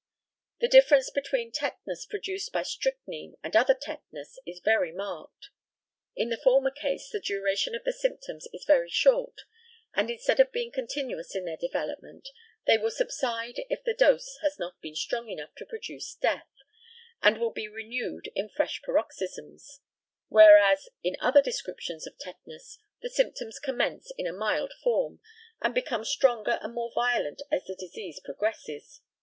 The difference between tetanus produced by strychnine and other tetanus is very marked. In the former case the duration of the symptoms is very short, and, instead of being continuous in their development, they will subside if the dose has not been strong enough to produce death, and will be renewed in fresh paroxysms; whereas, in other descriptions of tetanus, the symptoms commence in a mild form, and become stronger and more violent as the disease progresses.